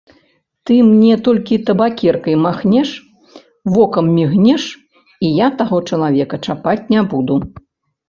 Ты мне толькі табакеркай махнеш, вокам міргнеш, і я таго чалавека чапаць не буду.